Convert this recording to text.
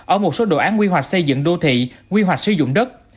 ở một số đồ án quy hoạch xây dựng đô thị quy hoạch sử dụng đất